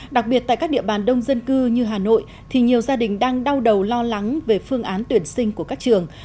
đặc biệt tại các địa bàn đông dân cư như hà nội thì nhiều gia đình đang đau đầu lo lắng về phương án tuyển sinh của các trường